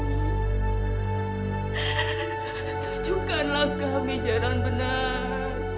tunjukkanlah kami jalan benar